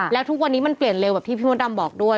แล้วทุกวันนี้มันเปลี่ยนเร็วแบบที่พี่มดดำบอกด้วย